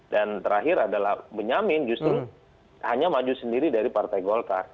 dan terakhir adalah benyamin justru hanya maju sendiri dari partai golkar